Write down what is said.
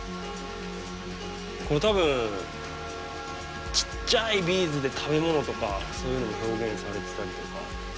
これたぶんちっちゃいビーズで食べ物とかそういうのも表現されてたりとか。